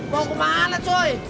mau kemana cuy